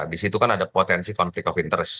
di situ kan ada potensi konflik of interest